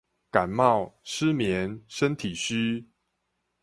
感冒、失眠、身體虛